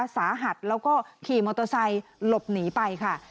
สาหัสแล้วก็ขี่มอเตอร์ไซค์หลบหนีไปค่ะ